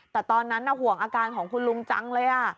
แต่ตอนนั้นห่วงอาการของคุณลุงจังเลย